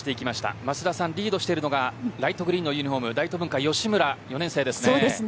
増田さんリードしてるのライトグリーンのユニ帆ホーム大東文化、吉村４年生ですね。